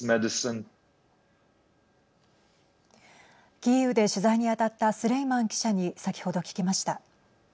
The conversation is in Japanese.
キーウで取材に当たったスレイマン記者に先ほど聞きました。